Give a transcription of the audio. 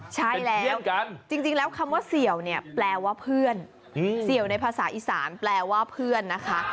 ใช่แล้วจริงแล้วคำว่าเสี่ยวเนี่ยแปลว่าเพื่อนเสี่ยวในภาษาอีสานแปลว่าเพื่อนนะคะ